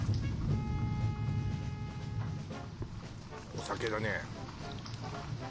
お酒だね